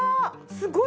すごい！